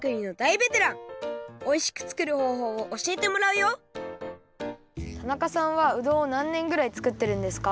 おいしく作るほうほうをおしえてもらうよ田中さんはうどんをなんねんぐらい作ってるんですか？